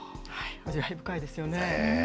深いですよね。